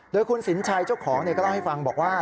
โดยคุณสินชัยเจ้าของก็เล่าให้ฟังบอกว่า